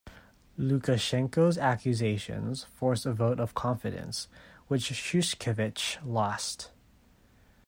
Lukashenko's accusations forced a vote of confidence, which Shushkevich lost.